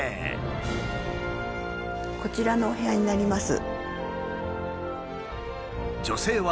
こちらのお部屋になります。